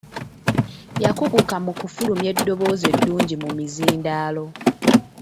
Yakuguka mu kufulumya eddoboozi eddungi mu mizindaalo.